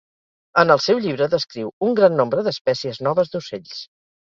En el seu llibre descriu un gran nombre d'espècies noves d'ocells.